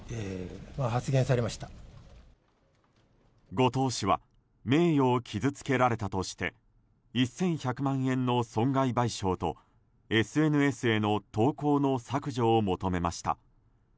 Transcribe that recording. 後藤氏は名誉を傷つけられたとして１１００万円の損害賠償とＳＮＳへの投稿の削除を求めました。